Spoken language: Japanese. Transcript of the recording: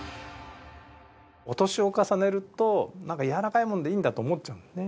お年を重ねると軟らかいものでいいんだと思っちゃうんですね。